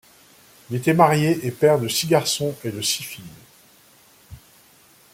Il était marié et père de six garçons et de six filles.